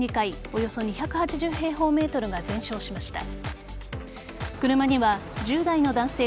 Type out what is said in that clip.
およそ２８０平方ｍが全焼しました。